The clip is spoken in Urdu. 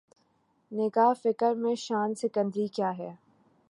نگاہ فقر میں شان سکندری کیا ہے